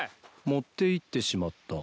持っていってしまった。